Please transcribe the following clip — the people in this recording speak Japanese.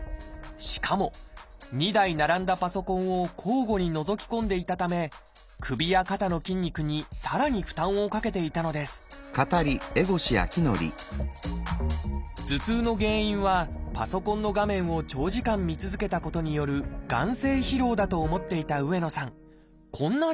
しかも２台並んだパソコンを交互にのぞき込んでいたため首や肩の筋肉にさらに負担をかけていたのです頭痛の原因はパソコンの画面を長時間見続けたことによる眼精疲労だと思っていた上野さん。